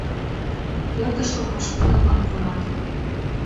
Пӧртышкӧ пошкудо-влак пурат.